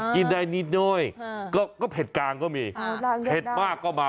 กินได้นิดน้อยก็เผ็ดกลางก็มีเผ็ดมากก็มา